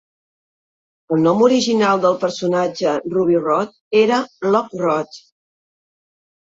El nom original del personatge Ruby Rhod era Loc Rhod.